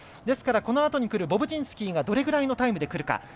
ですから、このあとにくるボブチンスキーがどれくらいのタイムでくるか。